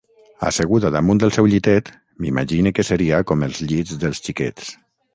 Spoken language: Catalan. Asseguda damunt del seu llitet, m’imagine que seria com els llits dels xiquets,.